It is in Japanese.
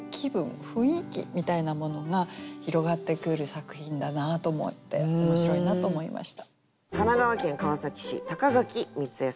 雰囲気みたいなものが広がってくる作品だなと思って面白いなと思いました。